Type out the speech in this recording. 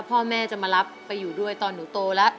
พ่อแม่จะมารับไปอยู่ด้วยตอนหนูโตแล้ว